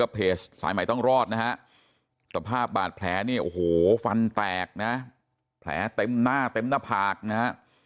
เพจสายใหม่ต้องรอดนะฮะสภาพบาดแผลนี่โอ้โหฟันแตกนะแผลเต็มหน้าเต็มหน้าผากนะฮะ